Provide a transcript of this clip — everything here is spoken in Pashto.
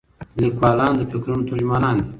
لیکوالان د فکرونو ترجمانان دي.